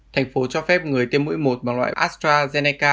thành phố cho phép người tiêm mũi một bằng loại astrazeneca